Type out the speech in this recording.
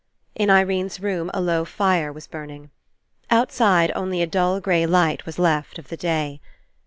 In Irene's room a low fire was burning. Outside, only a dull grey light was left of the day.